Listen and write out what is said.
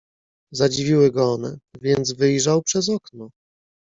"Zadziwiły go one, więc wyjrzał przez okno."